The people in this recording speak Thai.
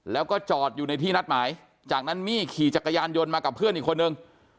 แล้วก็จอดอยู่ในที่นัดหมายจากนั้นมี่ขี่จักรยานยนต์มากับเพื่อนอีกคนนึง